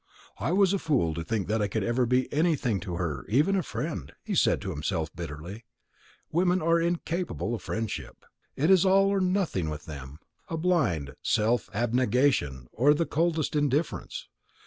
"I was a fool to think that I could ever be anything to her, even a friend," he said to himself bitterly; "women are incapable of friendship. It is all or nothing with them; a blind self abnegation or the coldest indifference.